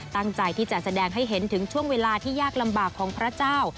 ตั้งใจที่จะแสดงให้เห็นถึงช่วงเวลาที่ยากลำบากของพระเจ้า